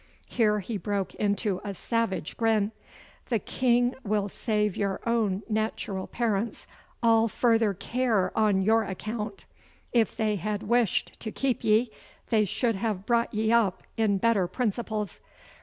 Here he broke into a savage grin. 'The King will save your own natural parents all further care on your account. If they had wished to keep ye, they should have brought ye up in better principles.